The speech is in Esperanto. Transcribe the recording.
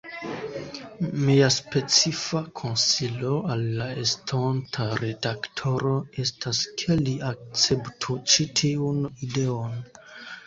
Mia specifa konsilo al la estonta redaktoro estas, ke li akceptu ĉi tiun ideon.